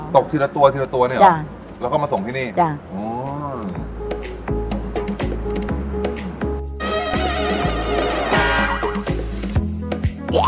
ตกทีละตัวเนี่ยเหรอแล้วก็มาส่งที่นี่จ้ะ